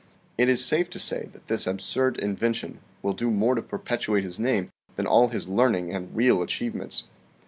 It is safe to say that this absurd invention will do more to perpetuate his name than all his learning and real achievements.